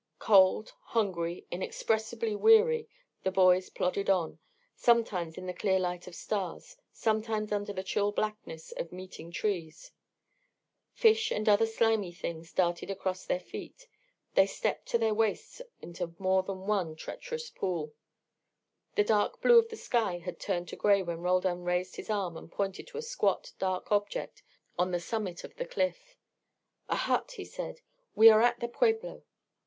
Cold, hungry, inexpressibly weary, the boys plodded on, sometimes in the clear light of stars, sometimes under the chill blackness of meeting trees. Fish and other slimy things darted across their feet; they stepped to their waists into more than one treacherous pool. The dark blue of the sky had turned to grey when Roldan raised his arm and pointed to a squat dark object on the summit of the cliff. "A hut," he said. "We are at the pueblo."